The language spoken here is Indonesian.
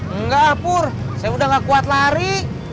enggak pur saya udah gak kuat lari